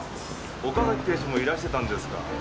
岡崎警視もいらしてたんですか。